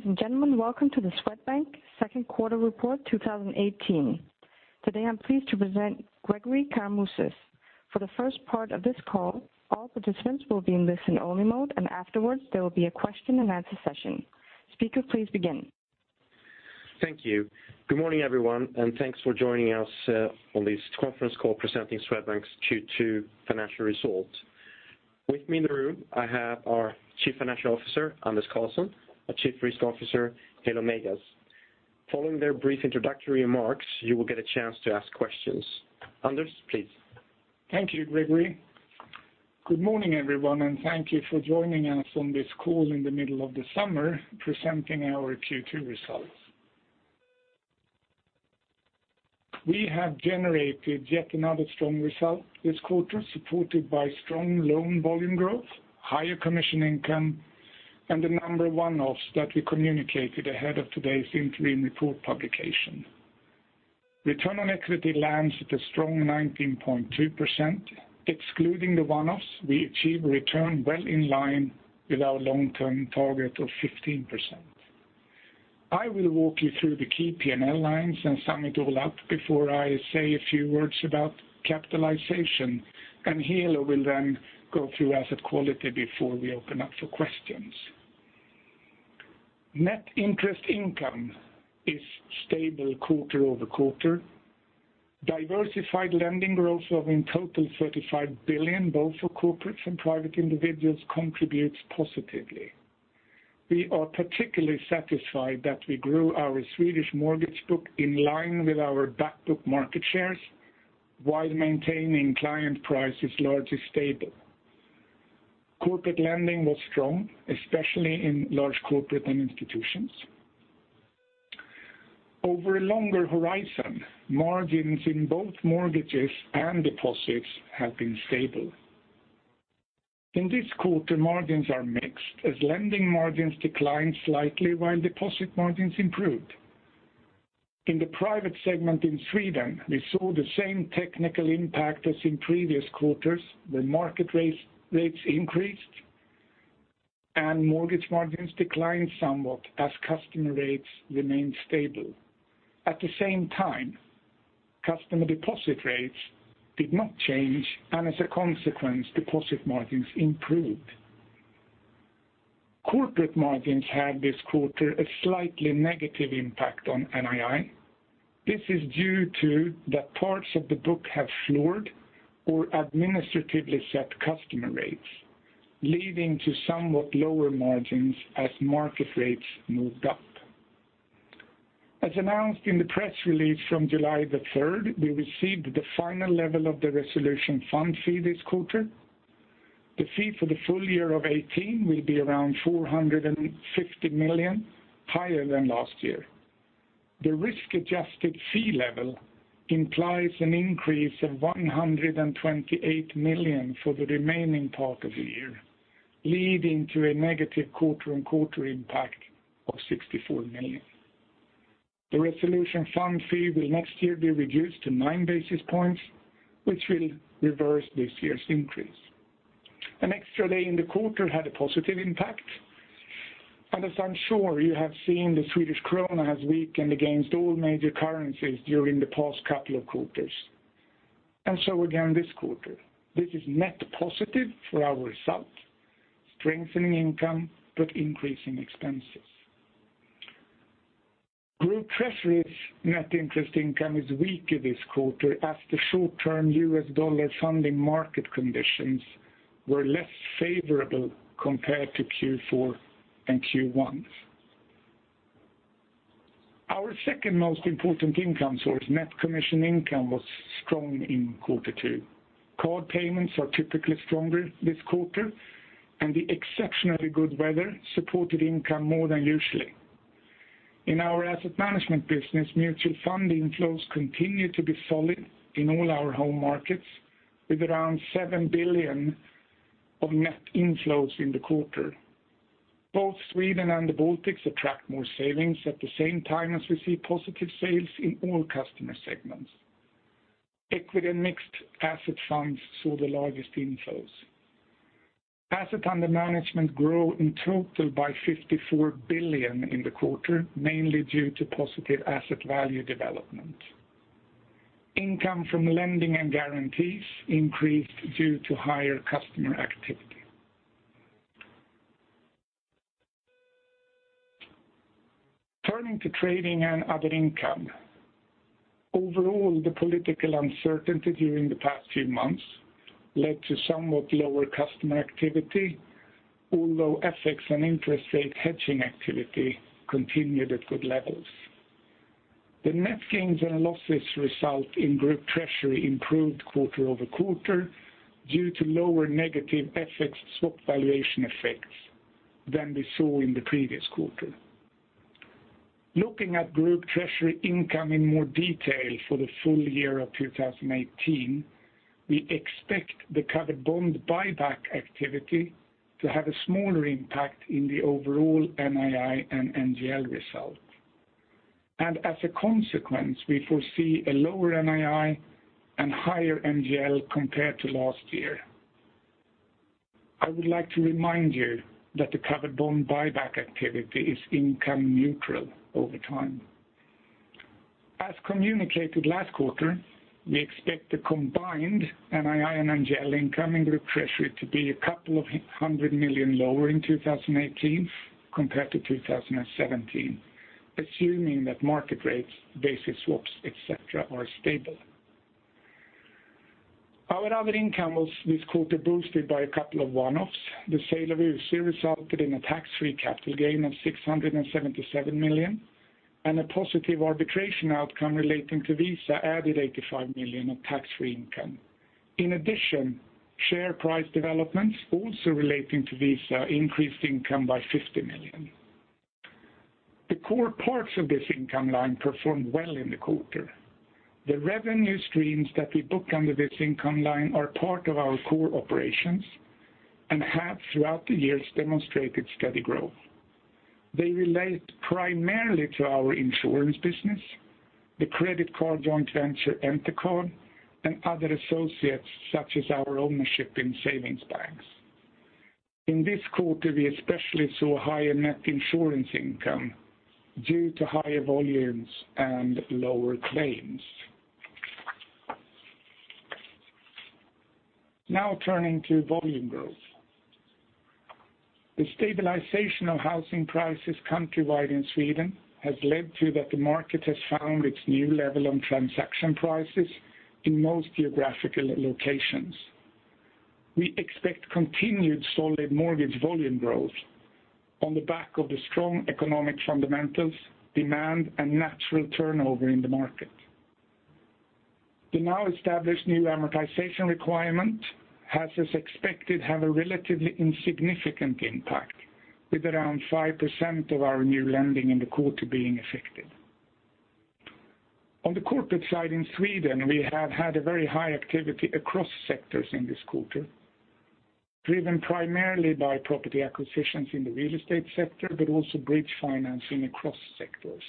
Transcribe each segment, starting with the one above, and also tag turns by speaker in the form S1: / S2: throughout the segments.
S1: Ladies and gentlemen, welcome to the Swedbank second quarter report 2018. Today, I'm pleased to present Gregori Karamouzis. For the first part of this call, all participants will be in listen-only mode, and afterwards, there will be a question-and-answer session. Speaker, please begin.
S2: Thank you. Good morning, everyone, and thanks for joining us on this conference call presenting Swedbank's Q2 financial results. With me in the room, I have our Chief Financial Officer, Anders Karlsson, our Chief Risk Officer, Helo Meigas. Following their brief introductory remarks, you will get a chance to ask questions. Anders, please.
S3: Thank you, Gregori. Good morning, everyone, and thank you for joining us on this call in the middle of the summer, presenting our Q2 results. We have generated yet another strong result this quarter, supported by strong loan volume growth, higher commission income, and the number one-offs that we communicated ahead of today's interim report publication. Return on equity lands at a strong 19.2%. Excluding the one-offs, we achieve a return well in line with our long-term target of 15%. I will walk you through the key P&L lines and sum it all up before I say a few words about capitalization, and Helo will then go through asset quality before we open up for questions. Net interest income is stable quarter-over-quarter. Diversified lending growth of in total 35 billion, both for corporates and private individuals, contributes positively. We are particularly satisfied that we grew our Swedish mortgage book in line with our back book market shares, while maintaining client prices largely stable. Corporate lending was strong, especially in large corporates and institutions. Over a longer horizon, margins in both mortgages and deposits have been stable. In this quarter, margins are mixed, as lending margins declined slightly while deposit margins improved. In the private segment in Sweden, we saw the same technical impact as in previous quarters. The market rates increased, and mortgage margins declined somewhat as customer rates remained stable. At the same time, customer deposit rates did not change, and as a consequence, deposit margins improved. Corporate margins had, this quarter, a slightly negative impact on NII. This is due to the parts of the book have floored or administratively set customer rates, leading to somewhat lower margins as market rates moved up. As announced in the press release from July the third, we received the final level of the resolution fund fee this quarter. The fee for the full year of 2018 will be around 450 million, higher than last year. The risk-adjusted fee level implies an increase of 128 million for the remaining part of the year, leading to a negative quarter and quarter impact of 64 million. The resolution fund fee will next year be reduced to 9 basis points, which will reverse this year's increase. An extra day in the quarter had a positive impact. As I'm sure you have seen, the Swedish krona has weakened against all major currencies during the past couple of quarters, and so again this quarter. This is net positive for our result, strengthening income but increasing expenses. Group Treasury's net interest income is weaker this quarter as the short-term US dollar funding market conditions were less favorable compared to Q4 and Q1. Our second most important income source, net commission income, was strong in quarter two. Card payments are typically stronger this quarter, and the exceptionally good weather supported income more than usually. In our asset management business, mutual fund inflows continue to be solid in all our home markets, with around 7 billion of net inflows in the quarter. Both Sweden and the Baltics attract more savings at the same time as we see positive sales in all customer segments. Equity and mixed asset funds saw the largest inflows. Assets under management grew in total by 54 billion in the quarter, mainly due to positive asset value development. Income from lending and guarantees increased due to higher customer activity. Turning to trading and other income, overall, the political uncertainty during the past few months led to somewhat lower customer activity, although FX and interest rate hedging activity continued at good levels. The net gains and losses result in Group Treasury improved quarter-over-quarter due to lower negative FX swap valuation effects than we saw in the previous quarter. Looking at Group Treasury income in more detail for the full year of 2018, we expect the covered bond buyback activity to have a smaller impact in the overall NII and NGL result. As a consequence, we foresee a lower NII and higher NGL compared to last year. I would like to remind you that the covered bond buyback activity is income neutral over time. As communicated last quarter, we expect the combined NII and NGL incoming group treasury to be a couple of hundred million lower in 2018 compared to 2017, assuming that market rates, basis swaps, et cetera, are stable. Our other income was this quarter boosted by a couple of one-offs. The sale of UC resulted in a tax-free capital gain of 677 million, and a positive arbitration outcome relating to Visa added 85 million of tax-free income. In addition, share price developments also relating to Visa increased income by 50 million. The core parts of this income line performed well in the quarter. The revenue streams that we book under this income line are part of our core operations and have, throughout the years, demonstrated steady growth. They relate primarily to our insurance business, the credit card joint venture, Entercard, and other associates such as our ownership in savings banks. In this quarter, we especially saw higher net insurance income due to higher volumes and lower claims. Now turning to volume growth. The stabilization of housing prices countrywide in Sweden has led to that the market has found its new level on transaction prices in most geographical locations. We expect continued solid mortgage volume growth on the back of the strong economic fundamentals, demand, and natural turnover in the market. The now established new amortization requirement has, as expected, have a relatively insignificant impact, with around 5% of our new lending in the quarter being affected. On the corporate side in Sweden, we have had a very high activity across sectors in this quarter, driven primarily by property acquisitions in the real estate sector, but also bridge financing across sectors.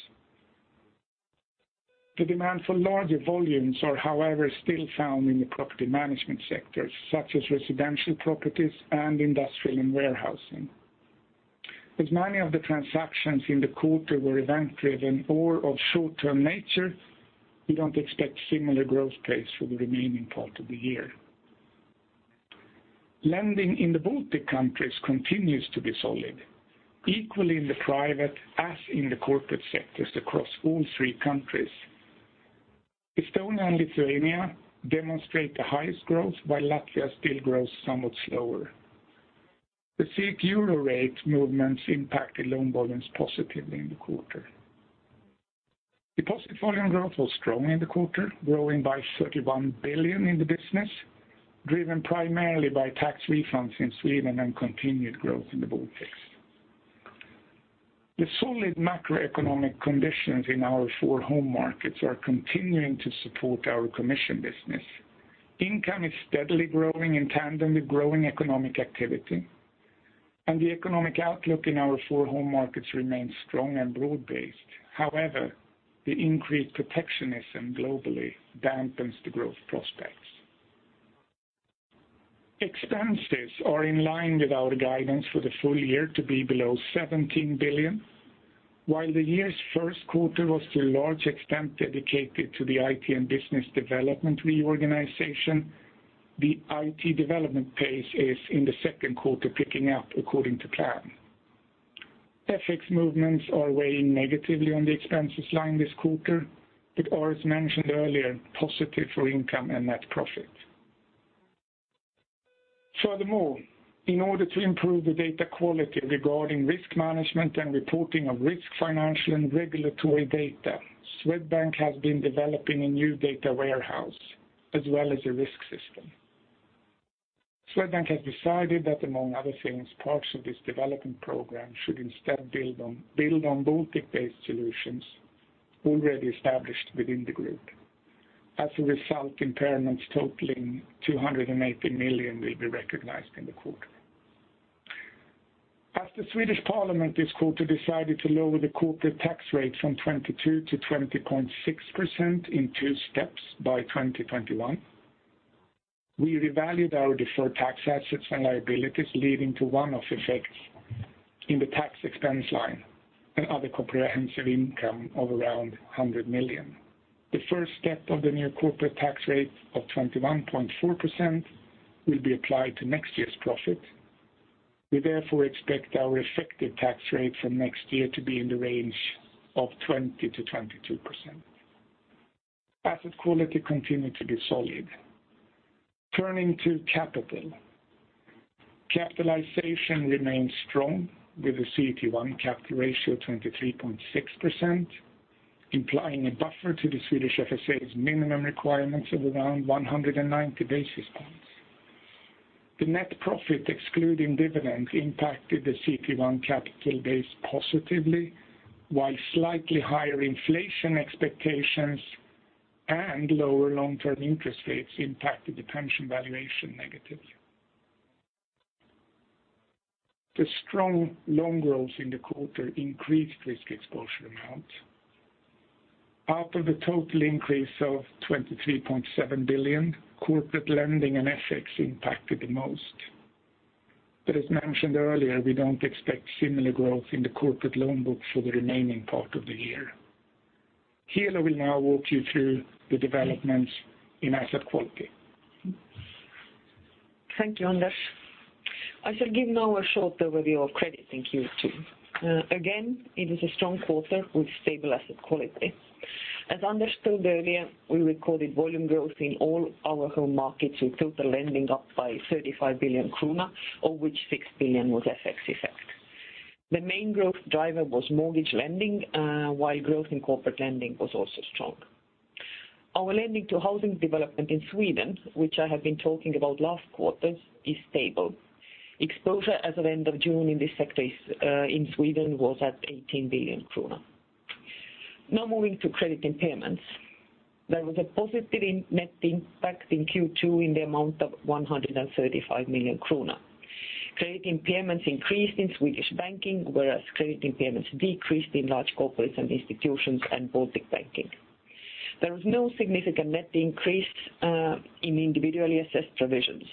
S3: The demand for larger volumes are, however, still found in the property management sectors, such as residential properties and industrial and warehousing. As many of the transactions in the quarter were event-driven or of short-term nature, we don't expect similar growth rates for the remaining part of the year. Lending in the Baltic countries continues to be solid, equally in the private as in the corporate sectors across all three countries. Estonia and Lithuania demonstrate the highest growth, while Latvia still grows somewhat slower. The SEK-euro rate movements impacted loan volumes positively in the quarter. Deposit volume growth was strong in the quarter, growing by 31 billion in the business, driven primarily by tax refunds in Sweden and continued growth in the Baltics. The solid macroeconomic conditions in our four home markets are continuing to support our commission business. Income is steadily growing in tandem with growing economic activity, and the economic outlook in our four home markets remains strong and broad-based. However, the increased protectionism globally dampens the growth prospects. Expenses are in line with our guidance for the full year to be below 17 billion. While the year's first quarter was to a large extent dedicated to the IT and business development reorganization, the IT development pace is in the second quarter picking up according to plan. FX movements are weighing negatively on the expenses line this quarter, but as mentioned earlier, positive for income and net profit. Furthermore, in order to improve the data quality regarding risk management and reporting of risk, financial, and regulatory data, Swedbank has been developing a new data warehouse as well as a risk system. Swedbank has decided that, among other things, parts of this development program should instead build on Baltic-based solutions already established within the group. As a result, impairments totaling 280 million will be recognized in the quarter. As the Swedish parliament this quarter decided to lower the corporate tax rate from 22% to 20.6% in two steps by 2021, we revalued our deferred tax assets and liabilities, leading to one-off effects in the tax expense line and other comprehensive income of around 100 million. The first step of the new corporate tax rate of 21.4% will be applied to next year's profit. We therefore expect our effective tax rate from next year to be in the range of 20%-22%. Asset quality continued to be solid. Turning to capital. Capitalization remains strong, with the CET1 capital ratio of 23.6%, implying a buffer to the Swedish FSA's minimum requirements of around 190 basis points. The net profit, excluding dividends, impacted the CET1 capital base positively, while slightly higher inflation expectations and lower long-term interest rates impacted the pension valuation negatively. The strong loan growth in the quarter increased risk exposure amount. Out of the total increase of 23.7 billion, corporate lending and FX impacted the most. But as mentioned earlier, we don't expect similar growth in the corporate loan book for the remaining part of the year. Helo will now walk you through the developments in asset quality.
S4: Thank you, Anders. I shall give now a short overview of credit in Q2. Again, it is a strong quarter with stable asset quality. As Anders told earlier, we recorded volume growth in all our home markets with total lending up by 35 billion krona, of which 6 billion was FX effect. The main growth driver was mortgage lending, while growth in corporate lending was also strong. Our lending to housing development in Sweden, which I have been talking about last quarter, is stable. Exposure as of end of June in this sector is, in Sweden, was at 18 billion kronor. Now moving to credit impairments. There was a positive net impact in Q2 in the amount of 135 million kronor. Credit impairments increased in Swedish banking, whereas credit impairments decreased in large corporates and institutions and Baltic banking. There was no significant net increase in individually assessed provisions.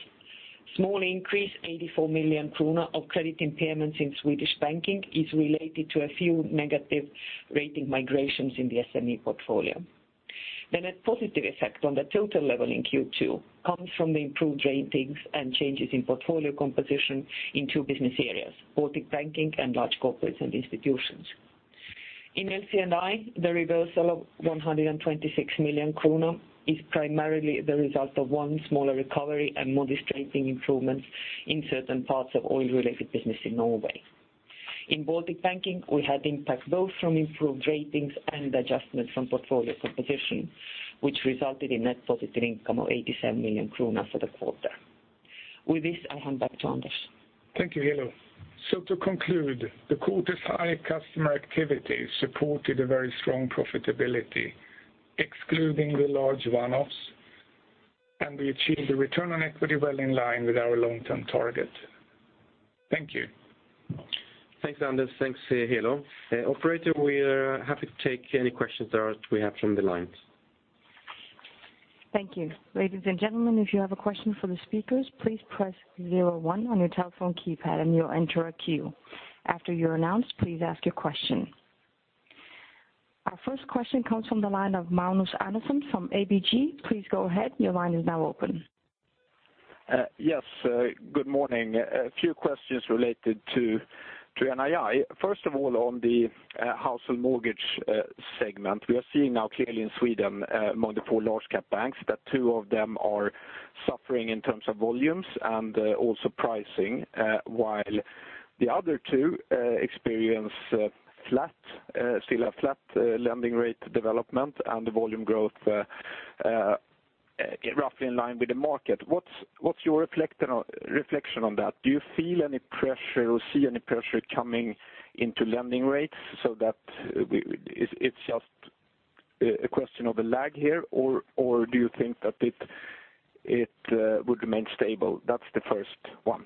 S4: A small increase of 84 million kronor in credit impairments in Swedish banking is related to a few negative rating migrations in the SME portfolio. Then a positive effect on the total level in Q2 comes from the improved ratings and changes in portfolio composition in two business areas, Baltic banking and large corporates and institutions. In LC&I, the reversal of 126 million kronor is primarily the result of one smaller recovery and modest rating improvements in certain parts of oil-related business in Norway. In Baltic banking, we had impact both from improved ratings and adjustments from portfolio composition, which resulted in net positive income of 87 million kronor for the quarter. With this, I hand back to Anders.
S3: Thank you, Helo. To conclude, the quarter's high customer activity supported a very strong profitability, excluding the large one-offs, and we achieved a return on equity well in line with our long-term target. Thank you.
S2: Thanks, Anders. Thanks, Helo. Operator, we are happy to take any questions that we have from the lines.
S1: Thank you. Ladies and gentlemen, if you have a question for the speakers, please press zero-one on your telephone keypad, and you'll enter a queue. After you're announced, please ask your question. Our first question comes from the line of Magnus Andersson from ABG. Please go ahead. Your line is now open.
S5: Yes, good morning. A few questions related to NII. First of all, on the household mortgage segment, we are seeing now clearly in Sweden among the four large cap banks that two of them are suffering in terms of volumes and also pricing while the other two experience flat still a flat lending rate development and the volume growth roughly in line with the market. What's your reflection on that? Do you feel any pressure or see any pressure coming into lending rates so that it's just a question of a lag here, or do you think that it would remain stable? That's the first one.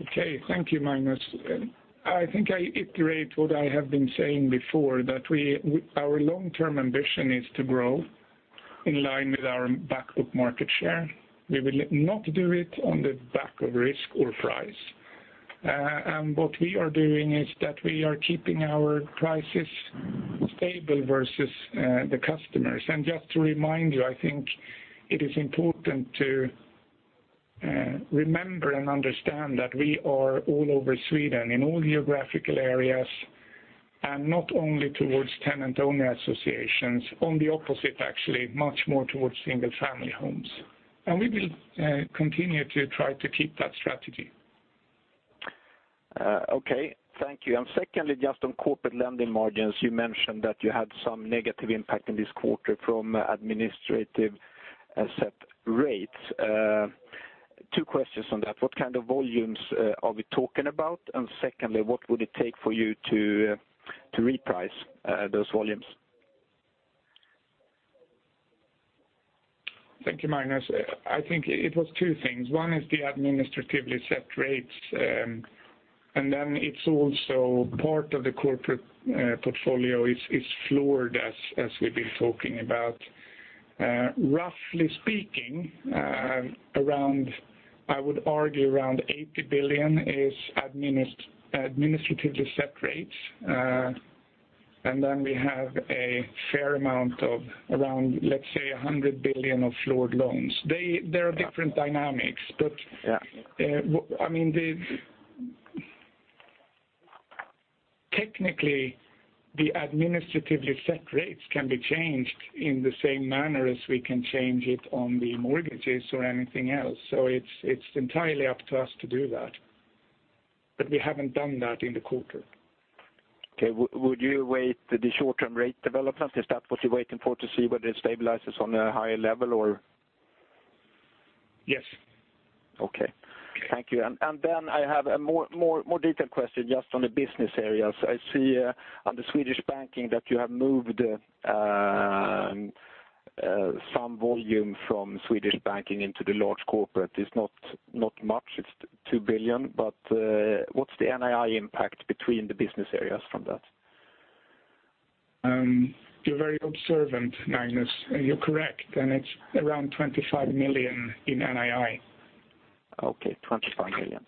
S3: Okay, thank you, Magnus. I think I iterate what I have been saying before, that our long-term ambition is to grow in line with our back book market share. We will not do it on the back of risk or price. What we are doing is that we are keeping our prices stable versus the customers. Just to remind you, I think it is important to remember and understand that we are all over Sweden, in all geographical areas, and not only towards tenant owner associations, on the opposite, actually, much more towards single-family homes. We will continue to try to keep that strategy.
S5: Okay, thank you. Secondly, just on corporate lending margins, you mentioned that you had some negative impact in this quarter from administrative asset rates. Two questions on that. What kind of volumes are we talking about? Secondly, what would it take for you to reprice those volumes?
S3: Thank you, Magnus. I think it was two things. One is the administratively set rates, and then it's also part of the corporate portfolio is floored, as we've been talking about. Roughly speaking, around, I would argue around 80 billion is administratively set rates. We have a fair amount of around, let's say, 100 billion of floored loans. There are different dynamics.
S5: Yeah.
S3: I mean, technically, the administratively set rates can be changed in the same manner as we can change it on the mortgages or anything else. So it's entirely up to us to do that, but we haven't done that in the quarter.
S5: Okay. Would you await the short-term rate development? Is that what you're waiting for, to see whether it stabilizes on a higher level or?
S3: Yes.
S5: Okay. Thank you. And then I have a more detailed question just on the business areas. I see on the Swedish Banking that you have moved some volume from Swedish Banking into the large corporates, not much. It's 2 billion, but what's the NII impact between the business areas from that?
S3: You're very observant, Magnus, and you're correct, and it's around 25 million in NII.
S5: Okay, 25 million.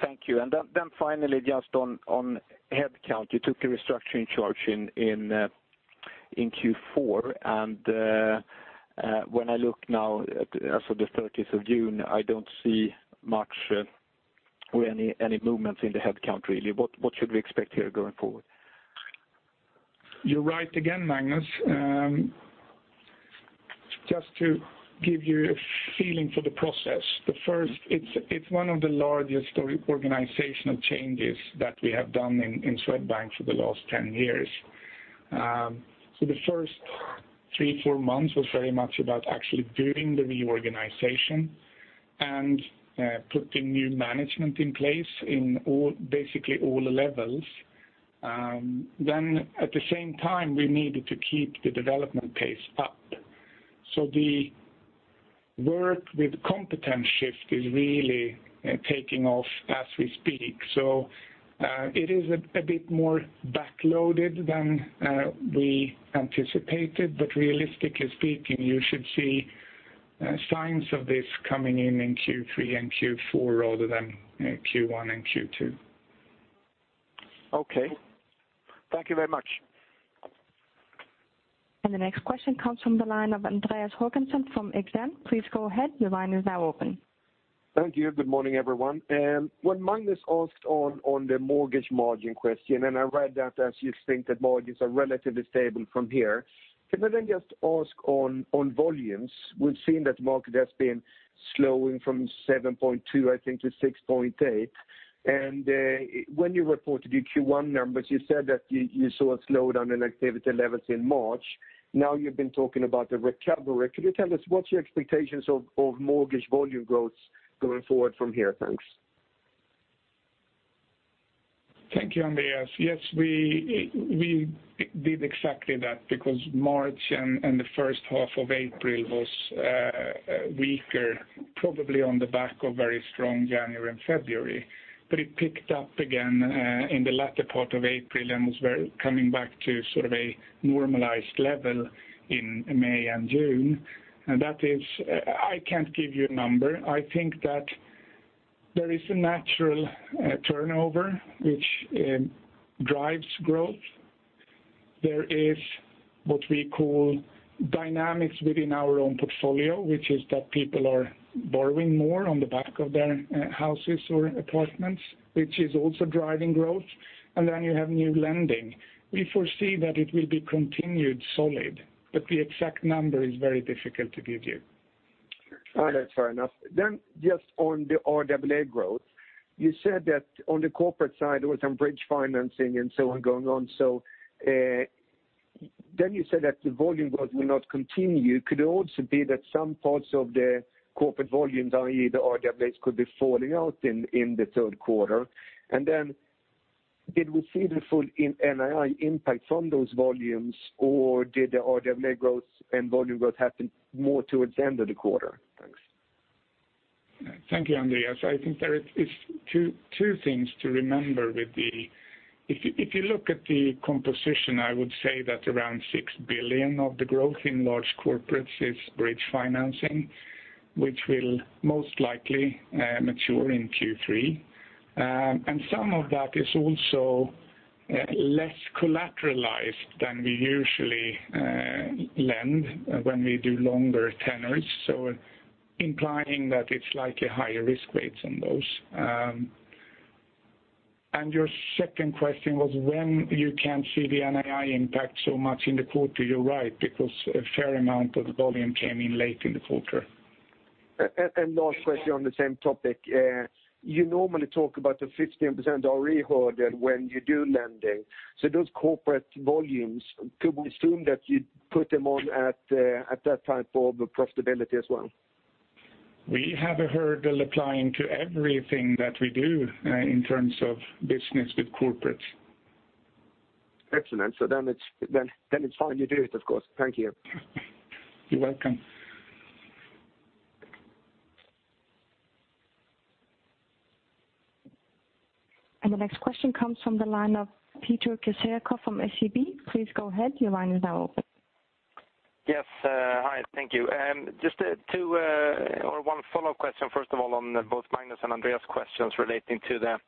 S5: Thank you. And then finally, just on headcount, you took a restructuring charge in Q4. And when I look now at, as of the thirtieth of June, I don't see much or any movements in the headcount, really. What should we expect here going forward?
S3: You're right again, Magnus. Just to give you a feeling for the process, it's one of the largest organizational changes that we have done in Swedbank for the last 10 years. So the first three, four months was very much about actually doing the reorganization and putting new management in place in all, basically all levels. Then at the same time, we needed to keep the development pace up. So the work with competence shift is really taking off as we speak. So it is a bit more backloaded than we anticipated. But realistically speaking, you should see signs of this coming in Q3 and Q4 rather than Q1 and Q2.
S5: Okay. Thank you very much.
S1: The next question comes from the line of Andreas Håkansson from Exane. Please go ahead. Your line is now open.
S6: Thank you. Good morning, everyone. When Magnus asked on, on the mortgage margin question, and I read that as you think that margins are relatively stable from here, can I then just ask on, on volumes? We've seen that the market has been slowing from 7.2, I think, to 6.8. When you reported your Q1 numbers, you said that you, you saw a slowdown in activity levels in March. Now, you've been talking about a recovery. Could you tell us what's your expectations of, of mortgage volume growth going forward from here? Thanks.
S3: Thank you, Andreas. Yes, we did exactly that because March and the first half of April was weaker, probably on the back of very strong January and February. But it picked up again in the latter part of April and was coming back to sort of a normalized level in May and June. I can't give you a number. I think that there is a natural turnover which drives growth. There is what we call dynamics within our own portfolio, which is that people are borrowing more on the back of their houses or apartments, which is also driving growth. And then you have new lending. We foresee that it will be continued solid, but the exact number is very difficult to give you.
S6: Oh, that's fair enough. Then just on the RWA growth, you said that on the corporate side, there was some bridge financing and so on, going on. So, then you said that the volume growth will not continue. Could it also be that some parts of the corporate volumes, i.e., the RWAs, could be falling out in the third quarter? And then did we see the full NII impact from those volumes, or did the RWA growth and volume growth happen more towards the end of the quarter? Thanks.
S3: Thank you, Andreas. I think there are two things to remember with the composition. If you look at the composition, I would say that around 6 billion of the growth in large corporates is bridge financing, which will most likely mature in Q3. And some of that is also less collateralized than we usually lend when we do longer tenors, so implying that it's likely higher risk weights on those. And your second question was when you can't see the NII impact so much in the quarter. You're right, because a fair amount of the volume came in late in the quarter.
S6: Last question on the same topic. You normally talk about the 15% RO hurdle when you do lending. Those corporate volumes, could we assume that you'd put them on at that type of profitability as well?
S3: We have a hurdle applying to everything that we do, in terms of business with corporates.
S6: Excellent. So then it's fine you do it, of course. Thank you.
S3: You're welcome.
S1: The next question comes from the line of Peter Kjell from SEB. Please go ahead. Your line is now open.
S7: Yes. Hi, thank you. Just two or one follow-up question. First of all, on both Magnus and Andreas' questions relating to the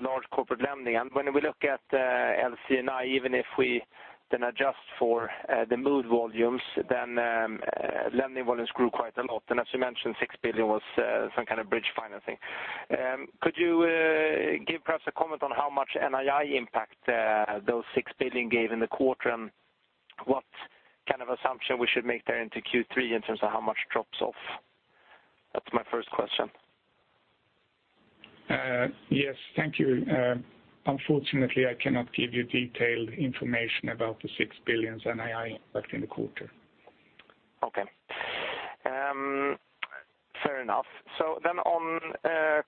S7: large corporate lending. And when we look at LC&I, even if we then adjust for the moved volumes, then lending volumes grew quite a lot. And as you mentioned, 6 billion was some kind of bridge financing. Could you give perhaps a comment on how much NII impact those 6 billion gave in the quarter? And what kind of assumption we should make there into Q3 in terms of how much drops off? That's my first question.
S3: Yes, thank you. Unfortunately, I cannot give you detailed information about the 6 billion NII impact in the quarter.
S7: Okay, fair enough. So then on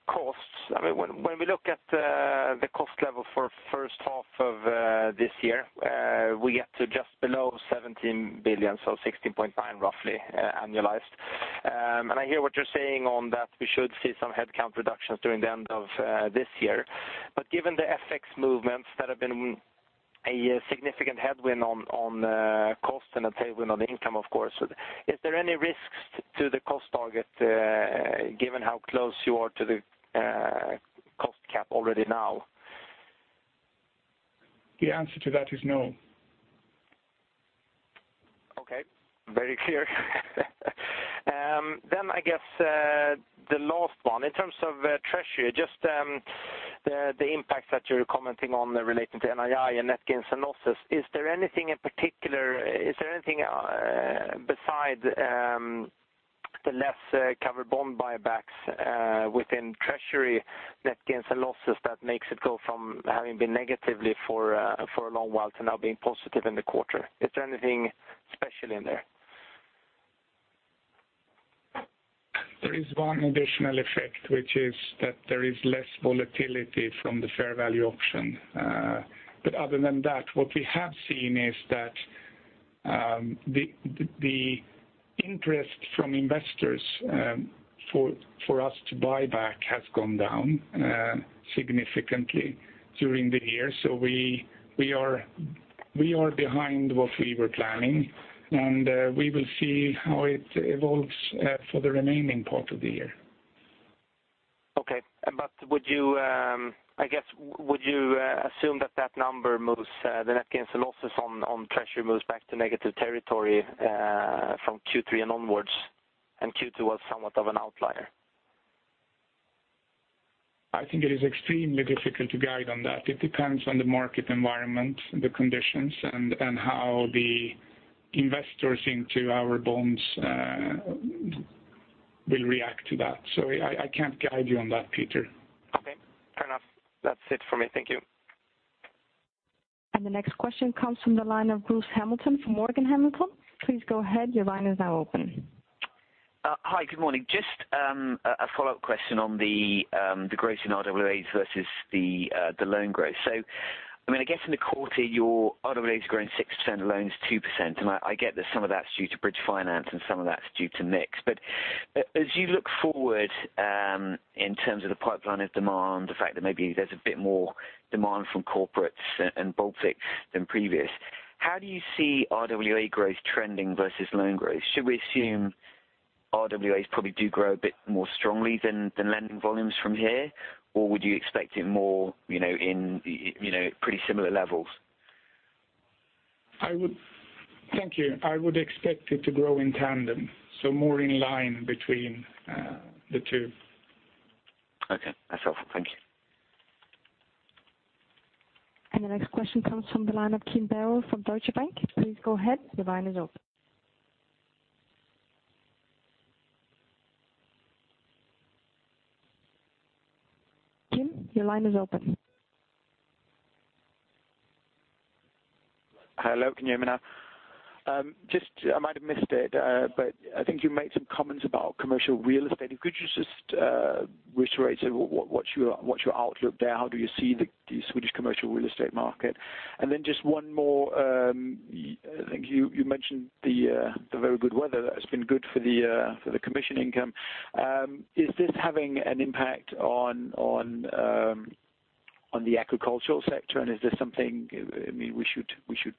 S7: costs, I mean, when we look at the cost level for first half of this year, we get to just below 17 billion, so 16.9 billion, roughly, annualized. And I hear what you're saying on that we should see some headcount reductions during the end of this year. But given the FX movements that have been a significant headwind on cost and a tailwind on the income, of course, is there any risks to the cost target, given how close you are to the cost cap already now?
S3: The answer to that is no.
S7: Okay, very clear. Then I guess the last one, in terms of treasury, just the impact that you're commenting on relating to NII and net gains and losses, is there anything besides the less covered bond buybacks within treasury net gains and losses that makes it go from having been negatively for a long while to now being positive in the quarter? Is there anything special in there?
S3: There is one additional effect, which is that there is less volatility from the fair value option. But other than that, what we have seen is that the interest from investors for us to buy back has gone down significantly during the year. So we are behind what we were planning, and we will see how it evolves for the remaining part of the year.
S7: Okay. But would you, I guess, assume that that number moves, the net gains and losses on treasury moves back to negative territory, from Q3 and onwards, and Q2 was somewhat of an outlier?
S3: I think it is extremely difficult to guide on that. It depends on the market environment, the conditions, and how the investors into our bonds will react to that. So I can't guide you on that, Peter.
S7: Okay, fair enough. That's it for me. Thank you.
S1: The next question comes from the line of Bruce Hamilton from Morgan Stanley. Please go ahead. Your line is now open.
S8: Hi, good morning. Just a follow-up question on the growth in RWAs versus the loan growth. So, I mean, I guess in the quarter, your RWAs grown 6%, loans 2%, and I get that some of that's due to bridge finance, and some of that's due to mix. But as you look forward, in terms of the pipeline of demand, the fact that maybe there's a bit more demand from corporates and Baltic than previous, how do you see RWA growth trending versus loan growth? Should we assume RWAs probably do grow a bit more strongly than lending volumes from here, or would you expect it more, you know, in, you know, pretty similar levels?
S3: I would. Thank you. I would expect it to grow in tandem, so more in line between the two.
S8: Okay, that's all. Thank you.
S1: The next question comes from the line of Kim Sherwood from Deutsche Bank. Please go ahead. Your line is open. Kim, your line is open.
S9: Hello, can you hear me now? Just, I might have missed it, but I think you made some comments about commercial real estate. Could you just reiterate what your outlook there, how do you see the Swedish commercial real estate market? And then just one more, I think you mentioned the very good weather that has been good for the commission income. Is this having an impact on the agricultural sector? And is this something, I mean, we should think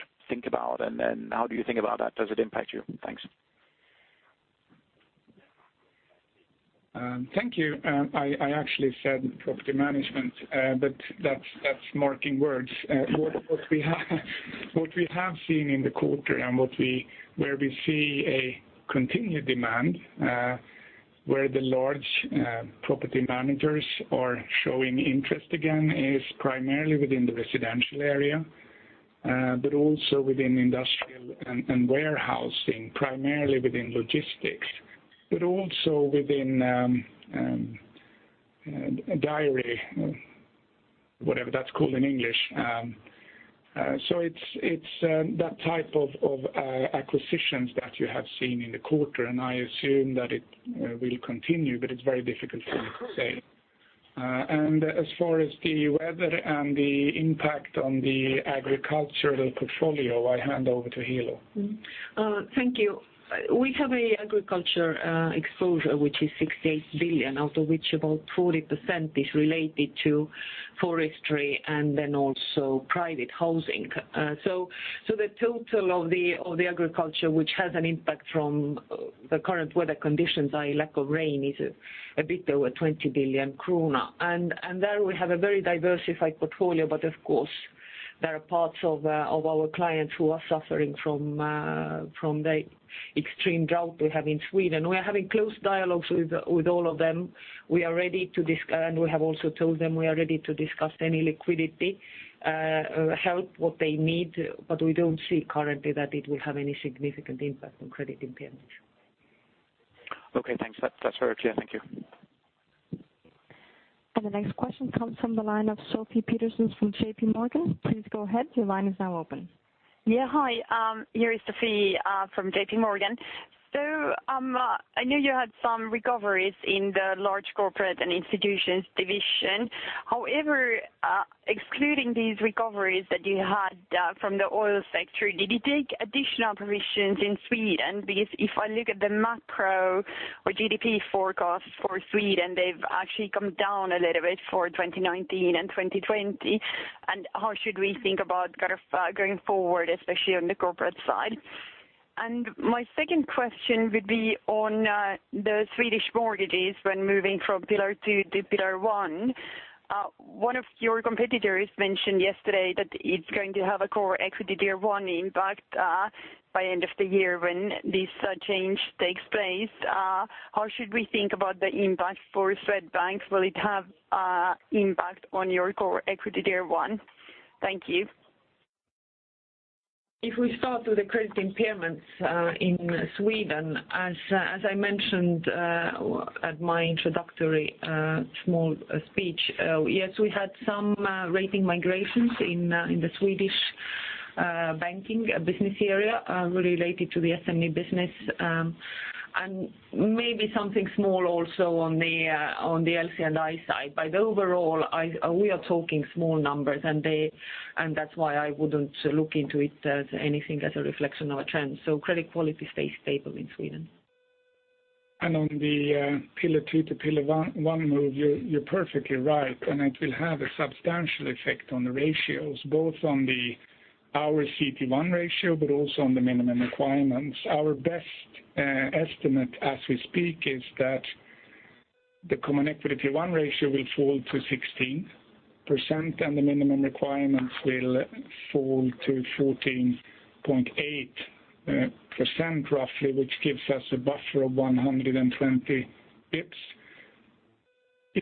S9: about? And then how do you think about that? Does it impact you? Thanks.
S3: Thank you. I actually said property management, but that's marketing words. What we have seen in the quarter and where we see a continued demand, where the large property managers are showing interest again, is primarily within the residential area, but also within industrial and warehousing, primarily within logistics, but also within dairy, whatever that's called in English. So it's that type of acquisitions that you have seen in the quarter, and I assume that it will continue, but it's very difficult for me to say. And as far as the weather and the impact on the agricultural portfolio, I hand over to Helo.
S4: Thank you. We have a agriculture exposure, which is 68 billion, out of which about 40% is related to forestry and then also private housing. So the total of the agriculture, which has an impact from the current weather conditions, are lack of rain, is a bit over 20 billion kronor. And there we have a very diversified portfolio, but of course, there are parts of our clients who are suffering from the extreme drought we have in Sweden. We are having close dialogues with all of them. We are ready to discuss, and we have also told them we are ready to discuss any liquidity help what they need, but we don't see currently that it will have any significant impact on credit impairment.
S9: Okay, thanks. That, that's very clear. Thank you.
S1: The next question comes from the line of Sofie Peterzens from JPMorgan. Please go ahead, your line is now open.
S10: Yeah, hi, here is Sophie from JPMorgan. So, I know you had some recoveries in the large corporate and institutions division. However, excluding these recoveries that you had from the oil sector, did you take additional provisions in Sweden? Because if I look at the macro or GDP forecast for Sweden, they've actually come down a little bit for 2019 and 2020. And how should we think about kind of going forward, especially on the corporate side? And my second question would be on the Swedish mortgages when moving from Pillar Two to Pillar One. One of your competitors mentioned yesterday that it's going to have a core equity Pillar One impact by end of the year when this change takes place. How should we think about the impact for Swedbank? Will it have an impact on your core equity Pillar One? Thank you.
S4: If we start with the credit impairments in Sweden, as I mentioned at my introductory small speech, yes, we had some rating migrations in the Swedish banking business area related to the SME business, and maybe something small also on the LC&I side. But overall, we are talking small numbers, and that's why I wouldn't look into it as anything as a reflection of a trend. So credit quality stays stable in Sweden.
S3: On the Pillar Two to Pillar One move, you're perfectly right, and it will have a substantial effect on the ratios, both on our CET1 ratio, but also on the minimum requirements. Our best estimate as we speak is that the common equity Pillar One ratio will fall to 16%, and the minimum requirements will fall to 14.8% roughly, which gives us a buffer of 120 basis points.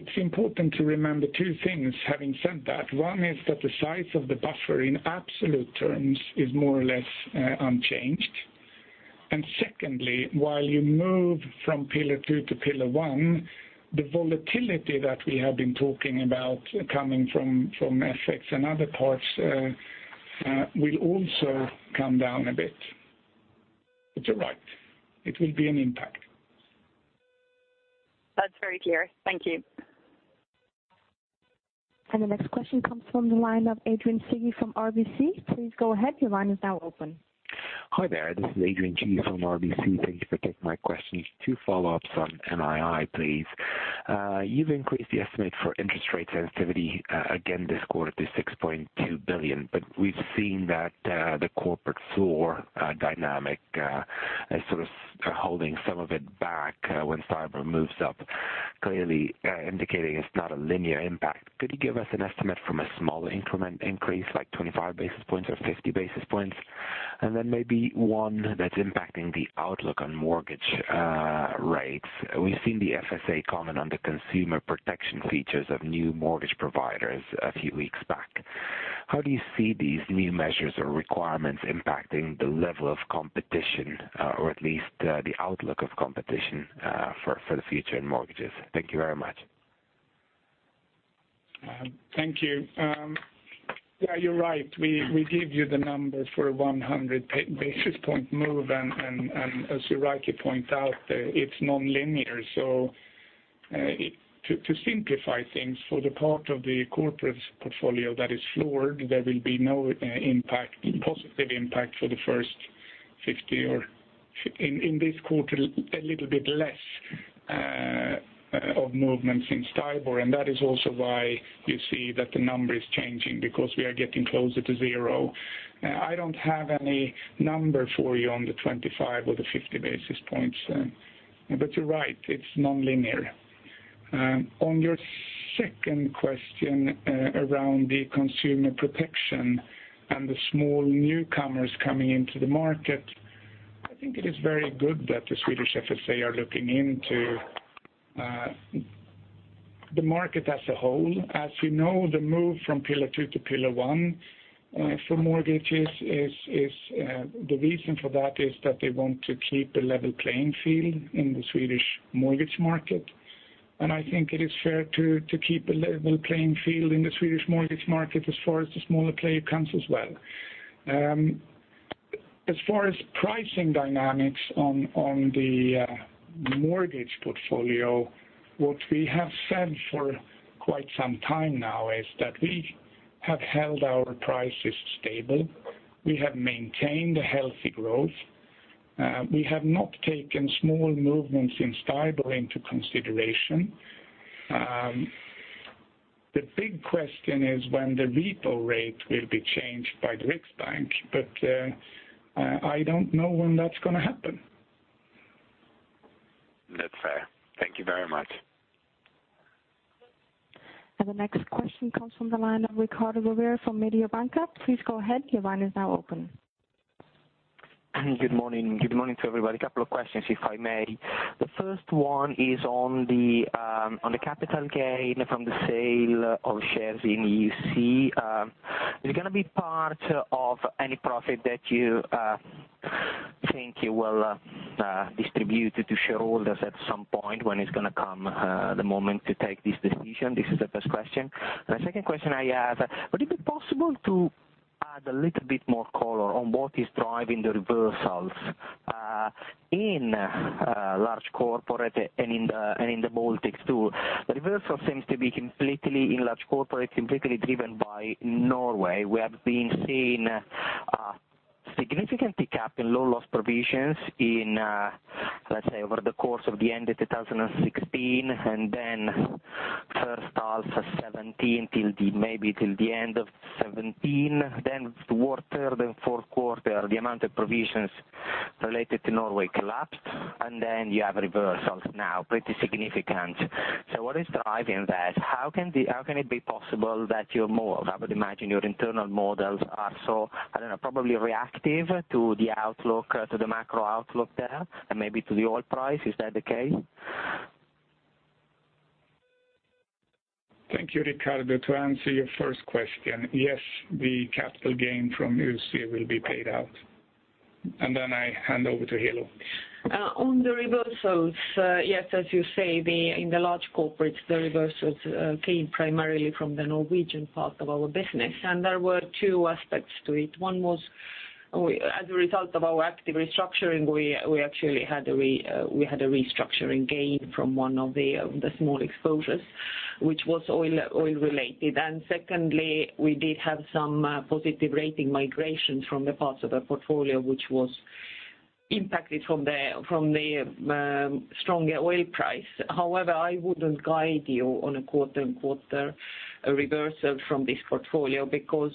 S3: It's important to remember two things, having said that. One is that the size of the buffer in absolute terms is more or less unchanged. And secondly, while you move from Pillar Two to Pillar One, the volatility that we have been talking about coming from FX and other parts will also come down a bit. But you're right, it will be an impact.
S10: That's very clear. Thank you.
S1: The next question comes from the line of Adrian Cighi from RBC. Please go ahead, your line is now open.
S11: Hi there, this is Adrian Cighi from RBC. Thank you for taking my questions. Two follow-ups on NII, please. You've increased the estimate for interest rate sensitivity again this quarter to 6.2 billion, but we've seen that the corporate floor dynamic is sort of holding some of it back when Stibor moves up, clearly indicating it's not a linear impact. Could you give us an estimate from a small increment increase, like 25 basis points or 50 basis points? And then maybe one that's impacting the outlook on mortgage rates. We've seen the FSA comment on the consumer protection features of new mortgage providers a few weeks back. How do you see these new measures or requirements impacting the level of competition, or at least the outlook of competition for the future in mortgages? Thank you very much.
S3: Thank you. Yeah, you're right. We give you the number for 100 basis point move, and as you rightly point out, it's nonlinear. So, to simplify things, for the part of the corporate portfolio that is floored, there will be no positive impact for the first 50, or in this quarter, a little bit less, of movements in Stibor. And that is also why you see that the number is changing, because we are getting closer to zero. I don't have any number for you on the 25 or the 50 basis points. But you're right, it's nonlinear. On your second question, around the consumer protection and the small newcomers coming into the market, I think it is very good that the Swedish FSA are looking into the market as a whole. As you know, the move from Pillar Two to Pillar One for mortgages is the reason for that is that they want to keep a level playing field in the Swedish mortgage market. And I think it is fair to keep a level playing field in the Swedish mortgage market as far as the smaller player comes as well. As far as pricing dynamics on the mortgage portfolio, what we have said for quite some time now is that we have held our prices stable. We have maintained a healthy growth. We have not taken small movements in Stibor into consideration. The big question is when the repo rate will be changed by the Riksbank, but I don't know when that's gonna happen.
S11: That's fair. Thank you very much.
S1: The next question comes from the line of Riccardo Rovere from Mediobanca. Please go ahead, your line is now open.
S12: Good morning. Good morning to everybody. A couple of questions, if I may. The first one is on the capital gain from the sale of shares in UC. Is it gonna be part of any profit that you, I think you will distribute it to shareholders at some point when it's gonna come the moment to take this decision. This is the first question. The second question I have, would it be possible to add a little bit more color on what is driving the reversals in large corporate and in the Baltics too? The reversal seems to be completely in large corporate, completely driven by Norway. We have been seeing significant pickup in loan loss provisions in, let's say, over the course of the end of 2016, and then first half of 2017 till the, maybe till the end of 2017. Then the quarter, the fourth quarter, the amount of provisions related to Norway collapsed, and then you have reversals now, pretty significant. So what is driving that? How can it be possible that your model, I would imagine your internal models are so, I don't know, probably reactive to the outlook, to the macro outlook there, and maybe to the oil price. Is that the case?
S3: Thank you, Riccardo. To answer your first question, yes, the capital gain from UC will be paid out. Then I hand over to Helo.
S4: On the reversals, yes, as you say, in the large corporates, the reversals came primarily from the Norwegian part of our business, and there were two aspects to it. One was we, as a result of our active restructuring, we actually had a restructuring gain from one of the small exposures, which was oil-related. And secondly, we did have some positive rating migrations from the parts of the portfolio, which was impacted from the stronger oil price. However, I wouldn't guide you on a quarter-on-quarter reversal from this portfolio, because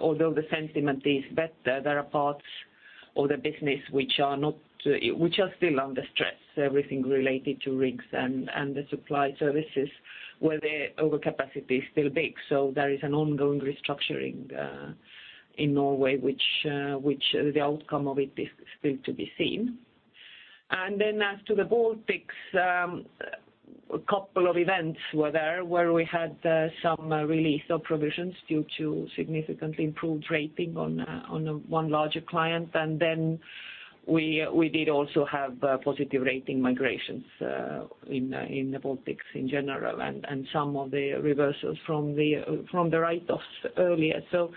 S4: although the sentiment is better, there are parts of the business which are not which are still under stress, everything related to rigs and the supply services, where the overcapacity is still big. So there is an ongoing restructuring in Norway, which the outcome of it is still to be seen. And then as to the Baltics, a couple of events were there, where we had some release of provisions due to significantly improved rating on one larger client. And then we did also have positive rating migrations in the Baltics in general, and some of the reversals from the write-offs earlier. So,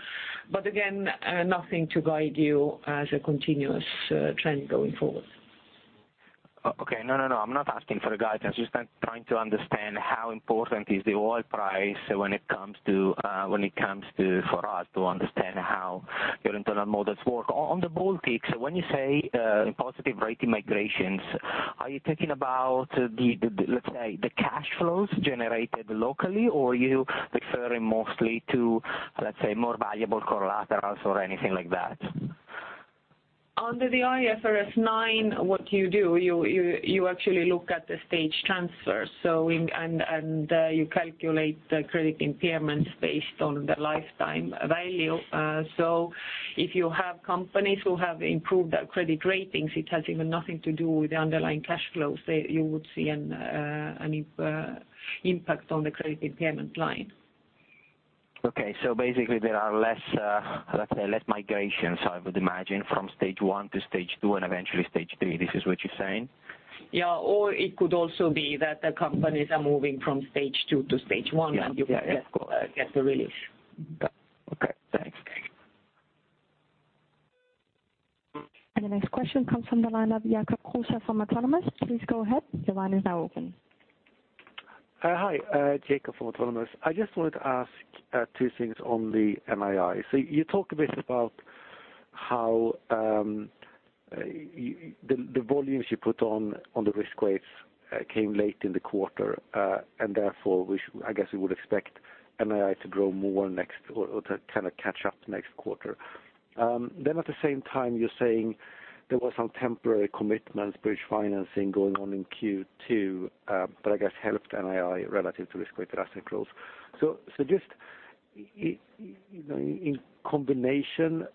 S4: but again, nothing to guide you as a continuous trend going forward.
S12: Okay. No, no, no, I'm not asking for a guidance. Just, I'm trying to understand how important is the oil price when it comes to, when it comes to, for us to understand how your internal models work. On the Baltics, when you say positive rating migrations, are you talking about the, let's say, the cash flows generated locally, or you referring mostly to, let's say, more valuable collaterals or anything like that?
S4: Under the IFRS 9, what you do, you actually look at the stage transfer. So, you calculate the credit impairments based on the lifetime value. So, if you have companies who have improved their credit ratings, it has even nothing to do with the underlying cash flows. You would see an impact on the credit impairment line.
S12: Okay. So basically, there are less, let's say, less migrations, I would imagine, from stage one to stage two and eventually stage three. This is what you're saying?
S4: Yeah, or it could also be that the companies are moving from stage two to stage one.
S12: Yeah, yeah, of course.
S4: You get the release.
S12: Got it. Okay, thanks.
S1: The next question comes from the line of Jacob Kruse from Autonomous. Please go ahead. The line is now open.
S13: Hi, Jacob from Autonomous. I just wanted to ask two things on the NII. So you talked a bit about how the volumes you put on the risk weights came late in the quarter and therefore, I guess we would expect NII to grow more next, or to kinda catch up next quarter. Then at the same time, you're saying there were some temporary commitments, bridge financing going on in Q2 that I guess helped NII relative to risk-weighted asset growth. You know, in combination,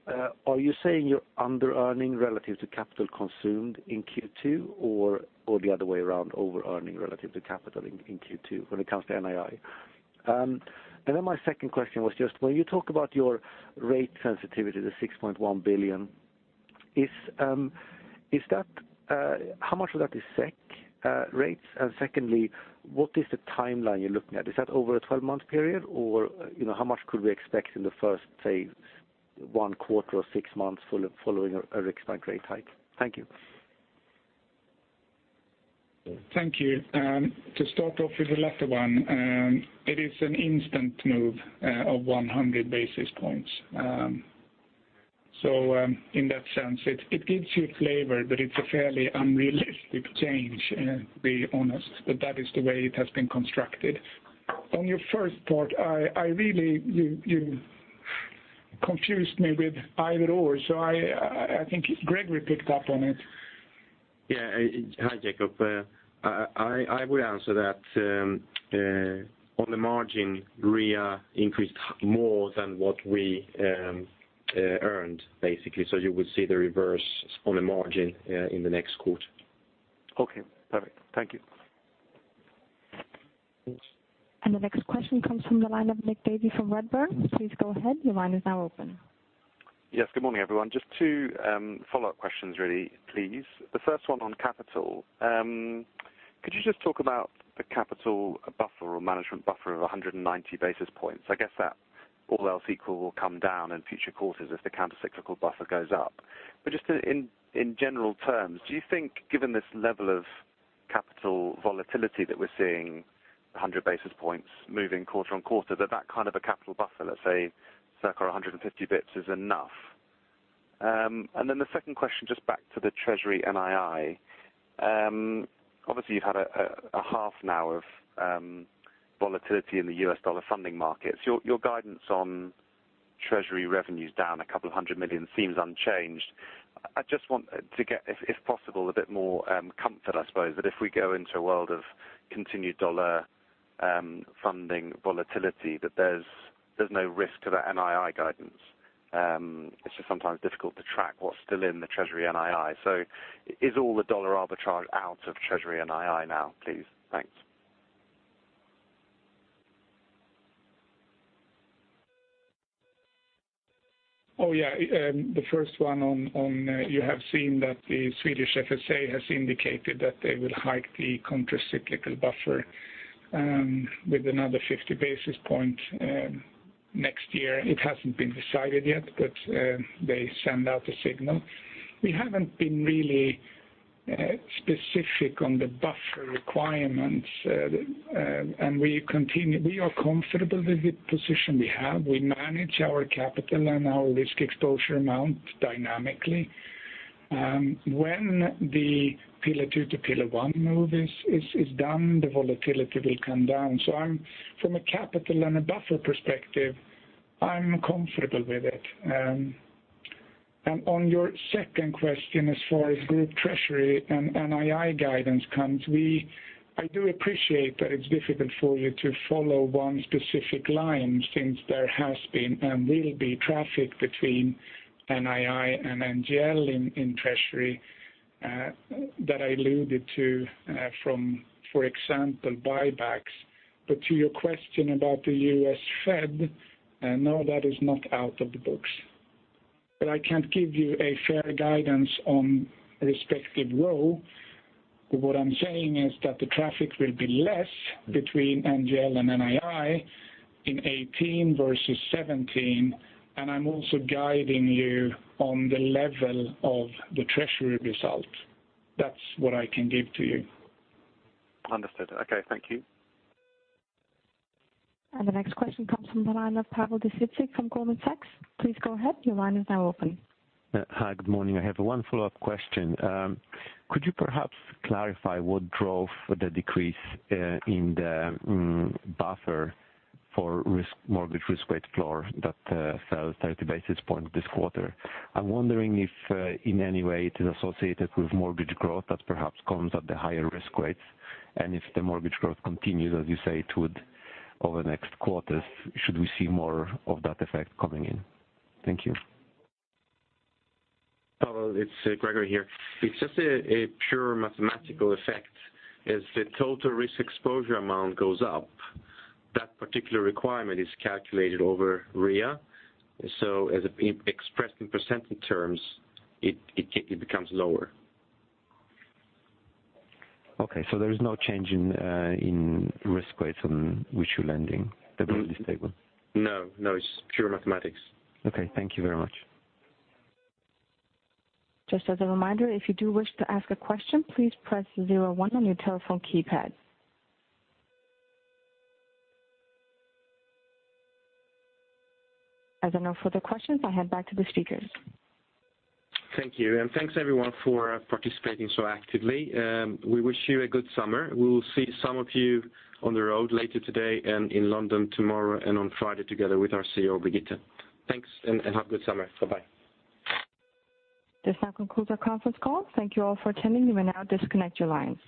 S13: are you saying you're under-earning relative to capital consumed in Q2, or the other way around, over-earning relative to capital in Q2, when it comes to NII? And then my second question was just when you talk about your rate sensitivity, the 6.1 billion, is that how much of that is SEK rates? And secondly, what is the timeline you're looking at? Is that over a 12-month period, or, you know, how much could we expect in the first, say, one quarter or six months following a Riksbank rate hike? Thank you.
S3: Thank you. To start off with the latter one, it is an instant move of 100 basis points. So, in that sense, it gives you flavor, but it's a fairly unrealistic change, to be honest, but that is the way it has been constructed. On your first part, I really, you confused me with either/or, so I think Gregori picked up on it.
S2: Yeah. Hi, Jacob. I would answer that on the margin, REA increased more than what we earned, basically. So you would see the reverse on the margin in the next quarter.
S13: Okay, perfect. Thank you.
S1: The next question comes from the line of Nick Davey from Redburn. Please go ahead. Your line is now open.
S14: Yes, good morning, everyone. Just two follow-up questions really, please. The first one on capital. Could you just talk about the capital buffer or management buffer of 190 basis points? I guess that all else equal will come down in future quarters as the countercyclical buffer goes up. But just in general terms, do you think, given this level of capital volatility that we're seeing, 100 basis points moving quarter on quarter, that that kind of a capital buffer, let's say, circa 150 basis points, is enough? And then the second question, just back to the treasury NII. Obviously, you've had a half now of volatility in the US dollar funding markets. Your guidance on treasury revenues down a couple of hundred million SEK seems unchanged. I just want to get, if possible, a bit more comfort, I suppose, that if we go into a world of continued dollar funding volatility, that there's no risk to the NII guidance. It's just sometimes difficult to track what's still in the treasury NII. So is all the dollar arbitrage out of treasury NII now, please? Thanks.
S3: Oh, yeah. The first one on, you have seen that the Swedish FSA has indicated that they will hike the countercyclical buffer with another 50 basis point next year. It hasn't been decided yet, but they send out a signal. We haven't been really specific on the buffer requirements, and we continue. We are comfortable with the position we have. We manage our capital and our risk exposure amount dynamically. When the Pillar Two to Pillar One move is done, the volatility will come down. So I'm from a capital and a buffer perspective comfortable with it. And on your second question, as far as group treasury and NII guidance comes, I do appreciate that it's difficult for you to follow one specific line since there has been and will be traffic between NII and NGL in treasury, that I alluded to, from, for example, buybacks. But to your question about the U.S. Fed, no, that is not out of the books. But I can't give you a fair guidance on respective role. What I'm saying is that the traffic will be less between NGL and NII in 2018 versus 2017, and I'm also guiding you on the level of the treasury result. That's what I can give to you.
S14: Understood. Okay, thank you.
S1: The next question comes from the line of Pavel Iljushenko from Goldman Sachs. Please go ahead. Your line is now open.
S15: Hi, good morning. I have one follow-up question. Could you perhaps clarify what drove the decrease in the buffer for risk, mortgage risk weight floor that fell 30 basis point this quarter? I'm wondering if in any way it is associated with mortgage growth that perhaps comes at the higher risk rates, and if the mortgage growth continues, as you say it would, over the next quarters, should we see more of that effect coming in? Thank you.
S2: Oh, it's Gregori here. It's just a pure mathematical effect. As the total risk exposure amount goes up, that particular requirement is calculated over REA. So as expressed in percentage terms, it becomes lower.
S15: Okay. So there is no change in risk rates on which you're lending that is stable?
S2: No, no, it's pure mathematics.
S15: Okay. Thank you very much.
S1: Just as a reminder, if you do wish to ask a question, please press zero one on your telephone keypad. As there are no further questions, I hand back to the speakers.
S2: Thank you, and thanks, everyone, for participating so actively. We wish you a good summer. We will see some of you on the road later today and in London tomorrow, and on Friday, together with our CEO, Birgitte. Thanks, and have a good summer. Bye-bye.
S1: This now concludes our conference call. Thank you all for attending. You may now disconnect your lines.